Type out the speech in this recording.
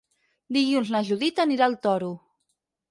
Dilluns na Judit anirà al Toro.